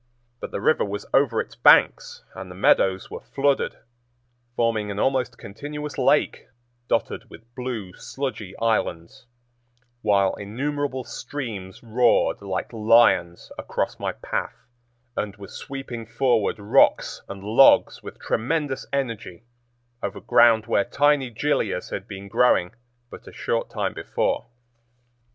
But the river was over its banks and the meadows were flooded, forming an almost continuous lake dotted with blue sludgy islands, while innumerable streams roared like lions across my path and were sweeping forward rocks and logs with tremendous energy over ground where tiny gilias had been growing but a short time before.